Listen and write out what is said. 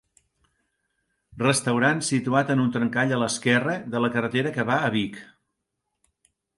Restaurant situat en un trencall a l'esquerra de la carretera que va a Vic.